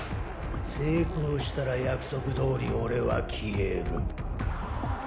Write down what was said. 成功したら約束どおりオレは消えるッ！